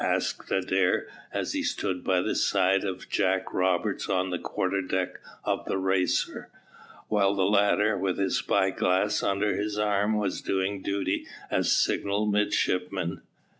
asked Adair, as he stood by the side of Jack Rogers on the quarter deck of the Racer, while the latter, with his spyglass under his arm, was doing duty as signal midshipman.